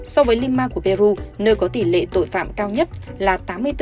so với lima của peru nơi có tỷ lệ tội phạm cao nhất là tám mươi bốn năm mươi một